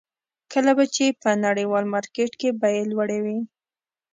کله به چې په نړیوال مارکېټ کې بیې لوړې وې.